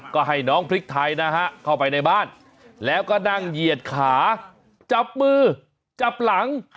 ก็ให้น้องพริกไทยนะฮะเข้าไปในบ้านแล้วก็นั่งเหยียดขาจับมือจับหลัง